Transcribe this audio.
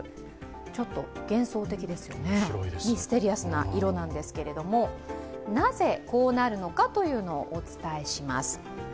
ちょっと幻想的ですよね、ミステリアスな色なんですけれども、なぜこうなるのか、お伝えします。